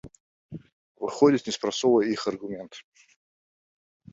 Выходзіць, не спрацоўвае іх аргумент!